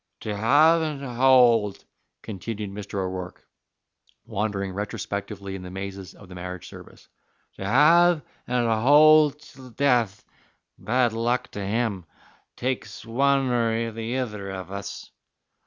"To have and to howld," continued Mr. O'Rourke, wandering retrospectively in the mazes of the marriage service, "to have and to howld till death bad luck to him! takes one or the ither of us."